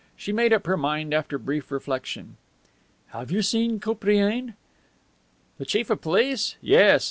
She made up her mind after brief reflection. "Have you seen Koupriane?" "The Chief of Police? Yes.